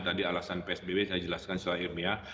tadi alasan psbb saya jelaskan secara ilmiah